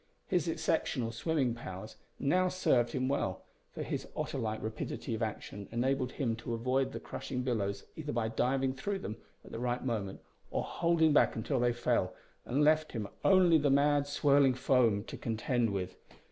His exceptional swimming powers now served him well, for his otter like rapidity of action enabled him to avoid the crushing billows either by diving through them at the right moment, or holding back until they fell, and left him only the mad swirling foam to contend with.